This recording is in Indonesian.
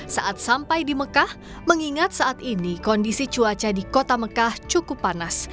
saat sampai di mekah mengingat saat ini kondisi cuaca di kota mekah cukup panas